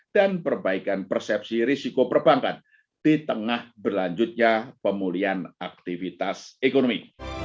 dan perbaikan persepsi risiko perbankan di tengah berlanjutnya pemulihan aktivitas ekonomi